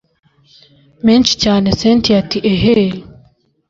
menshi cyane cyntia ati eheee